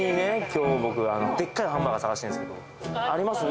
今日僕でっかいハンバーガー探してるんですけどあります？